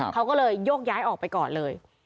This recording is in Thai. เขาก็เลยโยกย้ายออกไปก่อนเลย